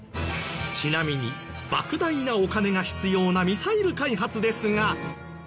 ちなみに莫大なお金が必要なミサイル開発ですが。